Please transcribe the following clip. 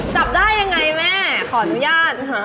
จับได้ยังไงแม่ขออนุญาตค่ะ